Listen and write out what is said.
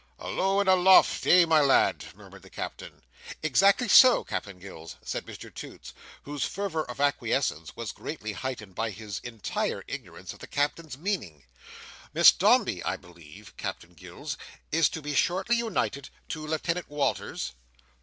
"Alow and aloft, eh, my lad?" murmured the Captain. "Exactly so, Captain Gills," said Mr Toots, whose fervour of acquiescence was greatly heightened by his entire ignorance of the Captain's meaning. "Miss Dombey, I believe, Captain Gills, is to be shortly united to Lieutenant Walters?"